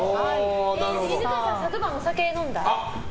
犬飼さん、昨晩お酒飲んだ？